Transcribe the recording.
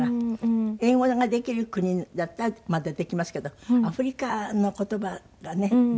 英語ができる国だったらまだできますけどアフリカの言葉がねできないけども。